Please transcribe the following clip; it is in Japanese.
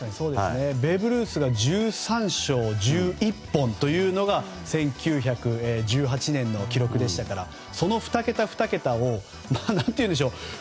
ベーブ・ルースが１３勝１１本というのが１９１８年の記録でしたからその２桁２桁を何ていうんでしょう。